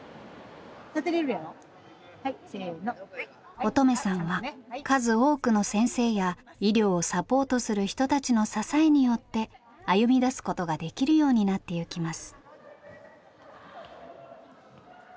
音十愛さんは数多くの先生や医療をサポートする人たちの支えによって歩みだすことができるようになってゆきます。